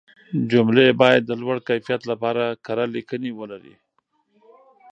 جملې باید د لوړ کیفیت لپاره کره لیکنې ولري.